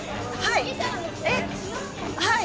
はい！